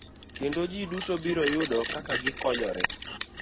Kendo ji duto biro yudo kaka gikonyore.